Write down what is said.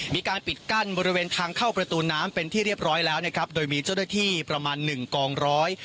มีการปิดกั้นบริเวณทางเข้าประตูน้ำเป็นที่เรียบร้อยแล้วนะครับโดยมีเจ้าหน้าที่ประมาณหนึ่งกองร้อย